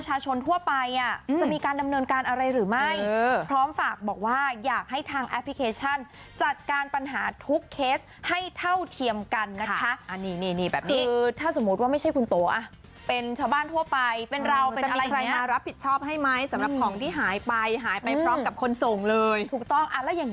กันนะคะอันนี้นี่แบบนี้คือถ้าสมมุติว่าไม่ใช่คุณโตอ่ะเป็นชาวบ้านทั่วไปเป็นเราจะมีใครมารับผิดชอบให้ไหมสำหรับของที่หายไปหายไปพร้อมกับคนส่งเลยถูกต้องอ่ะแล้วอย่าง